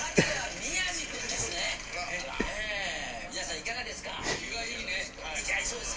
宮治さん、いかがですか。